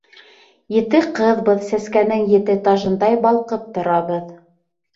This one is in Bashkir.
Ете ҡыҙбыҙ, сәскәнең ете тажындай балҡып торабыҙ.